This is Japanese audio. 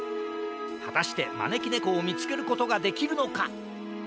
はたしてまねきねこをみつけることができるのか？